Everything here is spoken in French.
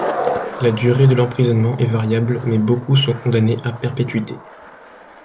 La durée de l’emprisonnement est variable mais beaucoup sont condamnés à perpétuité.